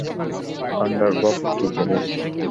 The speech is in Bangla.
আন্ডারক্রফট কী জিনিস?